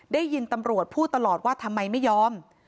ได้ยินตำรวจพูดตลอดว่าทำไมไม่ยอม